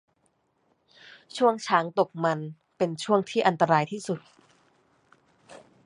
ช่วงช้างตกมันเป็นช่วงที่อันตรายที่สุด